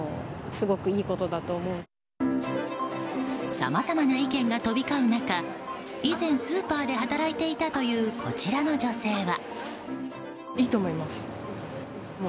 さまざまな意見が飛び交う中以前スーパーで働いていたというこちらの女性は。